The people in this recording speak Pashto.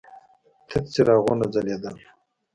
تت څراغونه ځلېدل.